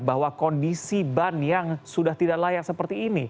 bahwa kondisi ban yang sudah tidak layak seperti ini